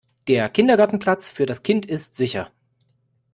Der Kindergartenplatz für das Kind ist sicher.